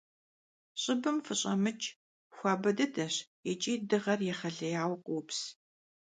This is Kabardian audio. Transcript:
Ş'ıbım fış'emıç', xuabe dıdeş yiç'i dığer yêğeleyaue khops.